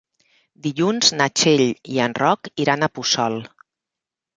Dilluns na Txell i en Roc iran a Puçol.